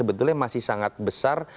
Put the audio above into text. itu masih sangat besar